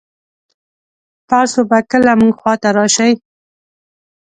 تاسو به کله مونږ خوا ته راشئ